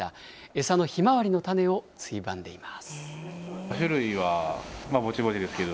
餌のヒマワリの種をついばんでいます。